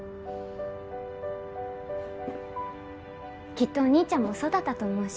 きっとお兄ちゃんもそうだったと思うし。